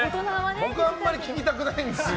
僕はあんまり聞きたくないんですよ。